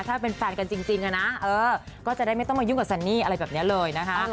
ถ้าเป็นแฟนกันจริงนะก็จะได้ไม่ต้องมายุ่งกับซันนี่อะไรแบบนี้เลยนะคะ